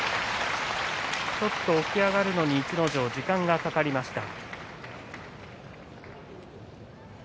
ちょっと起き上がるのに逸ノ城が時間がかかりました。